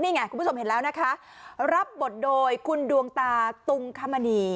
นี่ไงคุณผู้ชมเห็นแล้วนะคะรับบทโดยคุณดวงตาตุงคมณี